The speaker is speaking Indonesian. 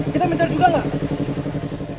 kita mencar juga lah